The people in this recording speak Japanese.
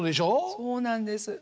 そうなんです。